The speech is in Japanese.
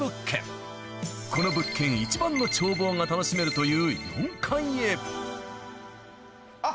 この物件一番の眺望が楽しめるというあっ。